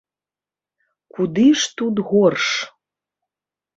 Куды ж тут горш?